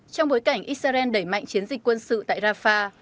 trong bối cảnh israel đẩy mạnh chiến dịch quân sự tại rafah